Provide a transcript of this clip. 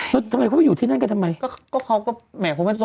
แล้วทำไมเขาไปอยู่ที่นั่นกันทำไม